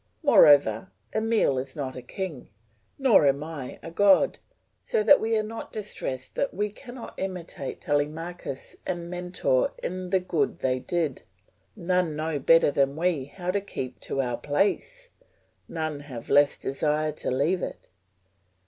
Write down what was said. Moreover, Emile is not a king, nor am I a god, so that we are not distressed that we cannot imitate Telemachus and Mentor in the good they did; none know better than we how to keep to our own place, none have less desire to leave it.